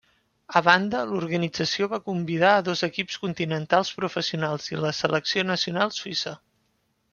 A banda, l'organització va convidar a dos equips continentals professionals i la selecció nacional suïssa.